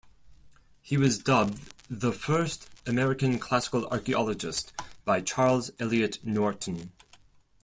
He was dubbed "the first American Classical Archaeologist" by Charles Eliot Norton.